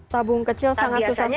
tabung kecil sangat susah sekali ya